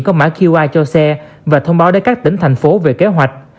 có mã qr cho xe và thông báo đến các tỉnh thành phố về kế hoạch